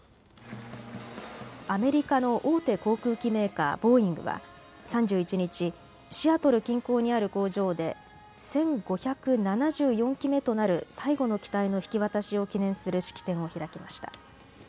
アメリカの大手航空機メーカー、ボーイングは３１日、シアトル近郊にある工場で１５７４機目となる最後の機体の引き渡しを記念する式典を開きました。